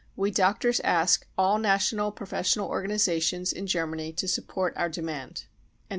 We doctors ask all National professional organisations in Germany to support our demand."